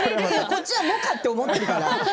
こっちは萌歌と思ってるから。